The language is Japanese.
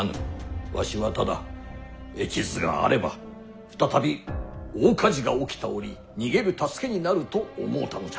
わしはただ絵地図があれば再び大火事が起きた折逃げる助けになると思うたのじゃ。